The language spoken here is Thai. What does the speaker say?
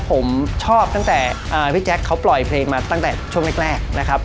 ผมชอบตั้งแต่พี่แจ๊คเขาปล่อยเพลงมาตั้งแต่ช่วงแรกนะครับ